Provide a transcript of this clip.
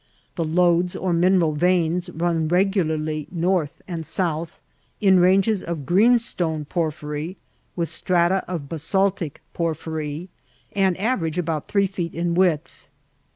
The lodes or min eral veins run regularly north and south, in ranges of greenstone porphyry with strata of basaltic porphyry, and average about three feet in width.